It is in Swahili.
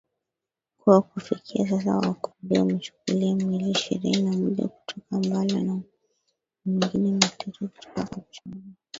kuwa kufikia sasa waokoaji wamechukua miili ishirini na moja kutoka Mbale na mingine mitatu kutoka Kapchorwa